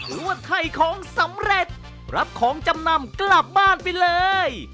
วดถ่ายของสำเร็จรับของจำนำกลับบ้านไปเลย